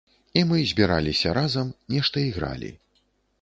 І мы збіраліся разам, нешта ігралі.